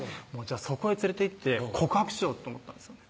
そこへ連れていって告白しようと思ったんですよね